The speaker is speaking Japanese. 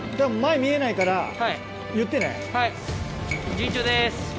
順調です。